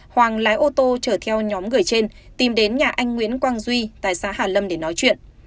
hoàng lái ô tô chở theo nhóm người trên tìm đến nhà anh nguyễn quang duy tại xã hà lâm để nói chuyện